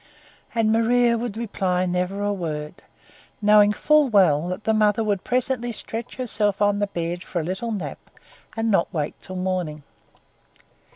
And Maria would reply never a word, knowing full well that the mother would presently stretch herself on the bed for a little nap and not awake till morning.